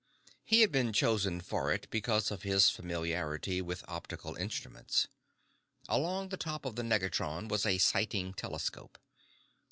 He had been chosen for it because of his familiarity with optical instruments. Along the top of the negatron was a sighting telescope.